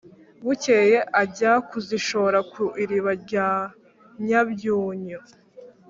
bukeye ajya kuzishora ku iriba rya nyabyunyu,